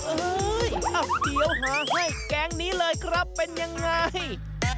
เฮ่ยอ้าวเดี๋ยวหาให้แกงนี้เลยครับเป็นอย่างไร